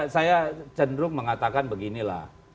saya cenderung mengatakan beginilah